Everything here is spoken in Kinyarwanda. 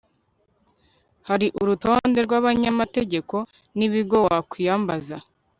hari urutonde rw'abanyamategeko n'ibigo wakwiyambaza